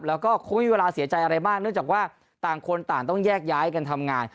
แล้วก็คงไม่มีเวลาเสียใจอะไรมากเนื่องจากว่าต่างคนต่างต้องแยกย้ายกันทำงาน